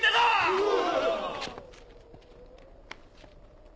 うわ！